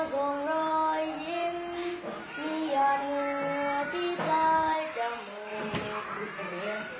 เผาจงร้อยยิ้มที่ย่าเหนือที่ใจจำเหมือน